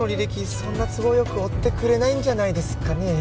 そんな都合よく追ってくれないんじゃないですかね